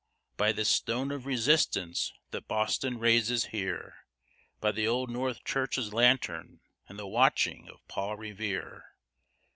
by this Stone of Resistance that Boston raises here! By the old North Church's lantern, and the watching of Paul Revere!